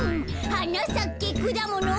「はなさけくだもの」